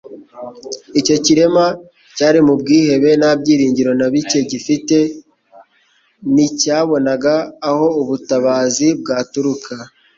Icyo kirema cyari mu bwihebe nta byiringiro na bike gifite, nticyabonaga aho ubutabazi bwaturuka.